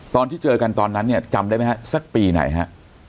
ตอนที่เจอกันตอนนั้นเนี่ยจำได้ไหมฮะสักปีไหนฮะ